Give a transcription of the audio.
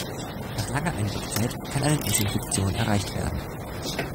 Nach langer Einwirkzeit kann eine Desinfektion erreicht werden.